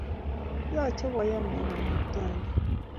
Yache koyan pik kamukatainden